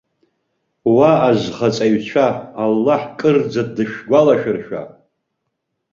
Уа азхаҵаҩцәа! Аллаҳ кырӡа дышәгәалашәыршәа.